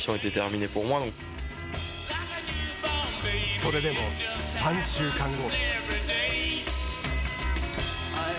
それでも３週間後。